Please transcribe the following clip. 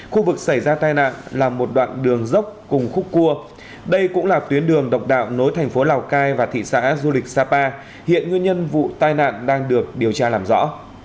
khu vực xảy ra tai nạn là một đoạn đường dốc cùng khúc cua đây cũng là tuyến đường độc đạo nối thành phố lào cai và thị xã du lịch sapa hiện nguyên nhân vụ tai nạn đang được điều tra làm rõ